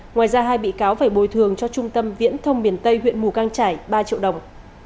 ngoài ra hai bị cáo phải bồi thường cho trung tâm viễn thông miền tây huyện mù căng trải ba triệu đồng